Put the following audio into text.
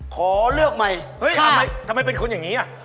ขอเลือกใหม่เฮ้ยทำไมทำไมเป็นคนอย่างงี้อ่ะ